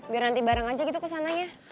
biar nanti bareng aja gitu kesananya